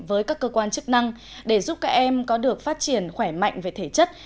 với các cơ quan chức năng để giúp các em có được phát triển khỏe mạnh về thể chất